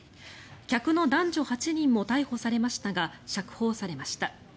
客の男女８人も逮捕されましたが釈放されました。